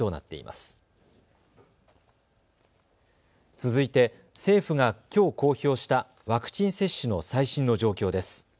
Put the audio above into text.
続いて政府がきょう公表したワクチン接種の最新の状況です。